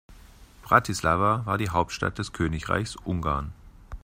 Bratislava war die Hauptstadt des Königreichs Ungarn.